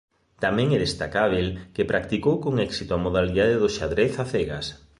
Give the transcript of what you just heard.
Tamén é destacable que practicou con éxito a modalidade do xadrez á cegas.